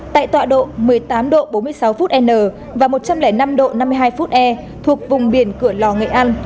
tại tọa độ một mươi tám độ bốn mươi sáu phút n và một trăm linh năm độ năm mươi hai phút e thuộc vùng biển cửa lò nghệ an